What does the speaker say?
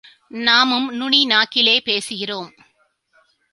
நாமும் நுனி நாக்கிலே பேசுகிறோம்.